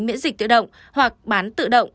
miễn dịch tự động hoặc bán tự động